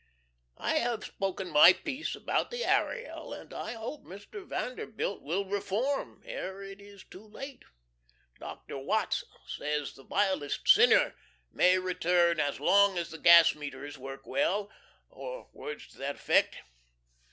.... I have spoken my Piece about the Ariel, and I hope Mr. Vanderbilt will reform ere it is too late. Dr. Watts says the vilest sinner may return as long as the gas meters work well, or words to that effect.